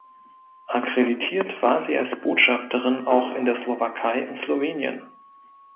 Akkreditiert war sie als Botschafterin auch in der Slowakei und Slowenien.